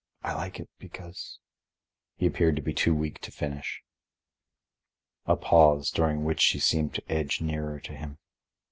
I like it because—" He appeared to be too weak to finish. A pause, during which she seemed to edge nearer to him.